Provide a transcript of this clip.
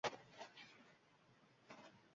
Pestumlaringizdan qolmagay nishon.